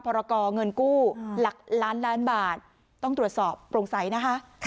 พรกรเงินกู้หลักล้านล้านบาทต้องตรวจสอบโปร่งใสนะคะ